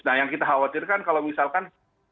nah yang kita khawatirkan kalau misalkan